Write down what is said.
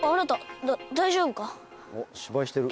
あっ芝居してる。